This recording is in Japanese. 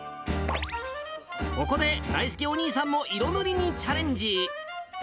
ここでだいすけお兄さんも色塗りにチャレンジ。